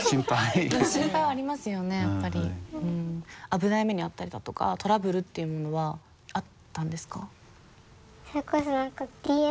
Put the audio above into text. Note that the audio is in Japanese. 危ない目に遭ったりだとかトラブルっていうものはあったんですか？